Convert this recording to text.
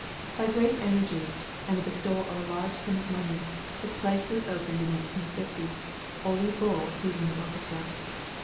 By great energy, and the bestowal of a large sum of money, the place was opened in 1850, Ole Bull leading the orchestra.